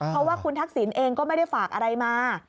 เพราะว่าคุณทักษิณเองก็ไม่ได้ฝากอะไรมา